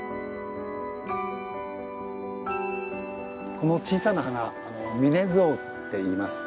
この小さな花ミネズオウっていいます。